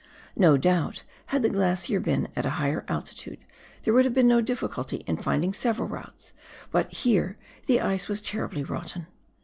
No doubt, had the glacier been at a higher altitude there would have been no difficulty in finding several routes, but here the ice was terribly rotten.